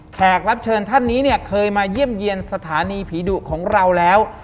แขกรับเชิญท่านนี้เนี่ยเคยมาเยี่ยมเยี่ยมสถานีผีดุของเราแล้ว